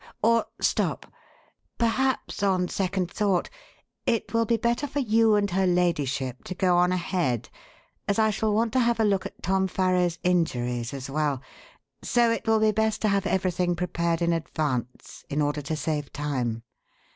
Or, stop! Perhaps, on second thought, it will be better for you and her ladyship to go on ahead, as I shall want to have a look at Tom Farrow's injuries as well, so it will be best to have everything prepared in advance, in order to save time.